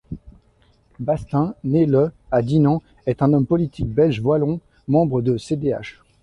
Bastin, né le à Dinant est un homme politique belge wallon, membre de cdH.